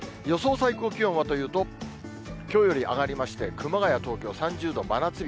最高気温はというと、きょうより上がりまして、熊谷、東京３０度、真夏日。